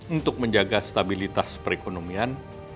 untuk menjaga stabilitas perekonomian